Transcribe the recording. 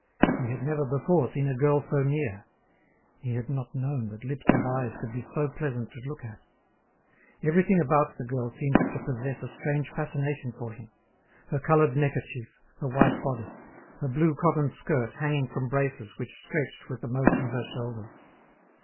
He had never before seen a girl so near; he had not known that lips and eyes could be so pleasant to look at. Everything about the girl seemed to possess a strange fascination for him—her coloured neckerchief, her white bodice, her blue cotton skirt hanging from braces which stretched with the motion of her shoulders.